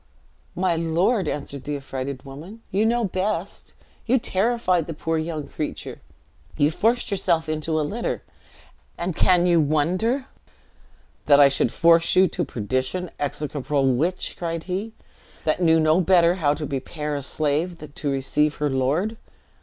"My lord," answered the affrighted woman, "you know best. You terrified the poor young creature. You forced yourself into a litter, and can you wonder " "That I should force you to perdition! execrable witch," cried he, "that knew no better how to prepare a slave to receive her lord!"